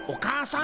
ん？